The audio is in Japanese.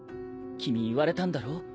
君言われたんだろ？